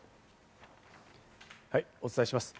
はい、お伝えします。